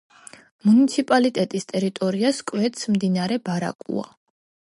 მუნიციპალიტეტის ტერიტორიას კვეთს მდინარე ბარაკოა.